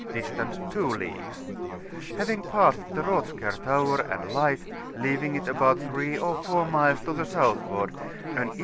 distant 2 leagues; having passed the Rothskar Tower and Light, leaving it about 3 or 4 miles to the southward, an E.